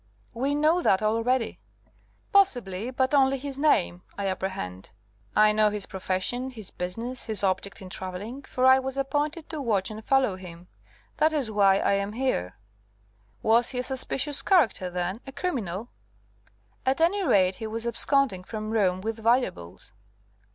"We know that already." "Possibly; but only his name, I apprehend. I know his profession, his business, his object in travelling, for I was appointed to watch and follow him. That is why I am here." "Was he a suspicious character, then? A criminal?" "At any rate he was absconding from Rome, with valuables."